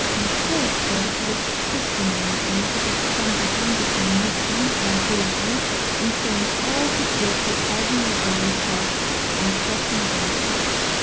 MacCoy, of course, was expecting me, and he had spent the time between Euston and Willesden in saying all he could to harden my brother's heart and set him against me.